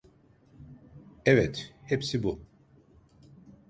Evet, hepsi bu.